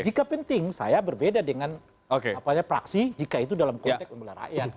jika penting saya berbeda dengan praksi jika itu dalam konteks pembela rakyat